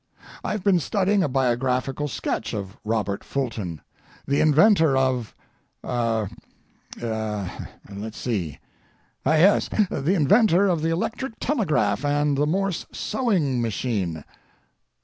I've been studying a biographical sketch of Robert Fulton, the inventor of—er—a—let's see—ah yes, the inventor of the electric telegraph and the Morse sewing—machine.